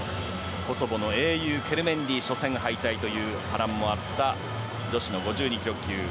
コソボの英雄、ケルメンディ初戦敗退という波乱もあった女子の５２ｋｇ級。